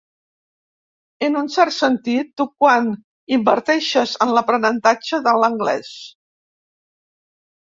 En un cert sentit, tu quan inverteixes en l'aprenentatge de l'anglès.